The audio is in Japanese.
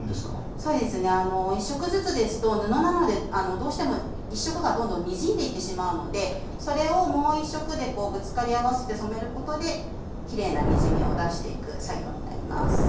そうですね１色ずつですと布なのでどうしても１色がどんどんにじんでいってしまうのでそれをもう一色でぶつかり合わせて染めることできれいなにじみを出していく作業になります。